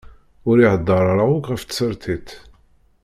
Ur iheddeṛ ara akk ɣef tsertit.